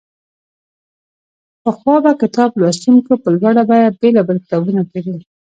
پخوا به کتاب لوستونکو په لوړه بیه بېلابېل کتابونه پېرل.